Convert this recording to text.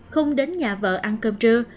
không đến nhà vợ ăn cơm trưa